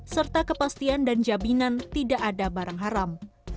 serta kepastian dan jaminan tidak ada barang haram